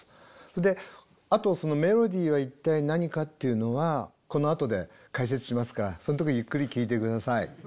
であとメロディーは一体何かっていうのはこのあとで解説しますからその時ゆっくり聞いて下さい。